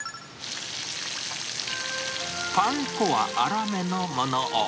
パン粉は粗めのものを。